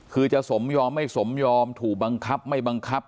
คือจะสมยอมไม่สมยอมถูกบังคับไม่บังคับ